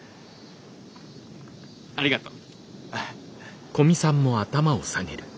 ありがとう。